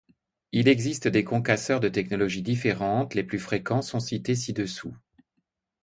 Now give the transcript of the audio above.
Il existe des concasseurs de technologie différente, les plus fréquents sont cités ci-dessous.